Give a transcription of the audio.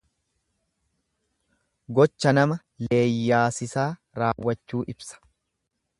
Gocha nama leeyyaasisaa raawwachuu ibsa.